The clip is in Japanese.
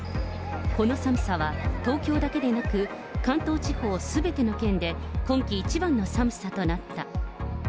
この寒さは東京だけでなく、関東地方すべての県で今季一番の寒さとなった。